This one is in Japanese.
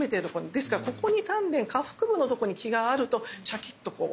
ですからここに丹田下腹部のとこに気があるとシャキッとこう。